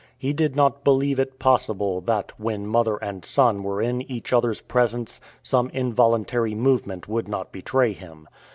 He did not believe it possible that, when mother and son were in each other's presence, some involuntary movement would not betray him.